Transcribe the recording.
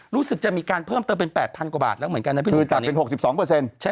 รู้สึกจะมีการเพิ่มเติมเป็น๘๐๐กว่าบาทแล้วเหมือนกันนะพี่หนุ่มตอนนี้เป็น๖๒